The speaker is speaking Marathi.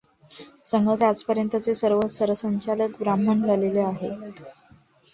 संघाचे आजपर्यंतचे सर्व सरसंघचालक ब्राह्मणच झालेले आहेत.